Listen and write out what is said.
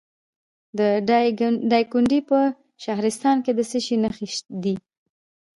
د دایکنډي په شهرستان کې د څه شي نښې دي؟